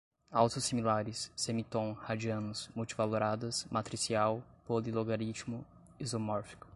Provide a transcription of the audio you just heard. autossimilares, semitom, radianos, multivaloradas, matricial, polilogaritmo, isomórfico